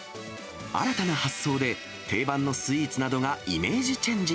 新たな発想で定番のスイーツなどがイメージチェンジ。